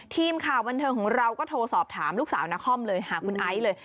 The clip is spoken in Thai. ทีมข่าวบันเทิงของเราก็โทรสอบถามลูกสาวนครเลยหาคุณไอซ์เลย